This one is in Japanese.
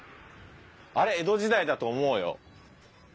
あれ江戸時代だと思うよ。